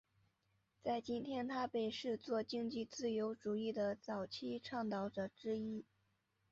在今天他被视作经济自由主义的早期倡导者之一。